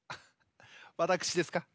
わたくしですか？